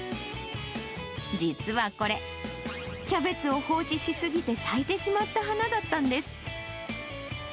実はこれ、キャベツを放置しすぎて咲いてしまった花だったんです。